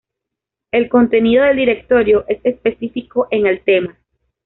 El contenido del directorio es específico en el tema.